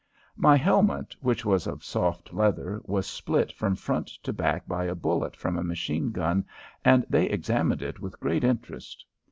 My helmet, which was of soft leather, was split from front to back by a bullet from a machine gun and they examined it with great interest.